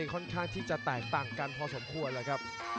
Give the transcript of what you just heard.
ค่อนข้างที่จะแตกต่างกันพอสมควรแล้วครับ